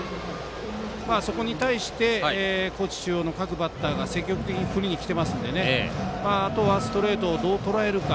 そこに対して高知中央の各バッターが積極的に振りにきてますのであとはストレートをどうとらえるか。